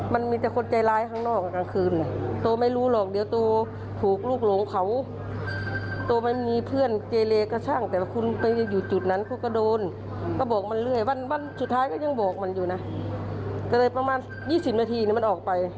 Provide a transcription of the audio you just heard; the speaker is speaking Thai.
บ้านสุดท้ายก็ยังบอกมันอยู่นะก็เลยประมาณ๒๐นาทีเนี่ยมันออกไป